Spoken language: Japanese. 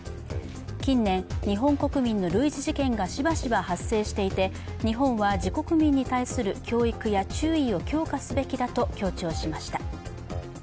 近年、日本国民の類似事件がしばしば発生していて日本は自国民に対する教育や注意を強化すべきだと強調しました。